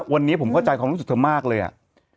วันนี้ผมเข้าใจความรู้สึกเธอมากเลยอ่ะ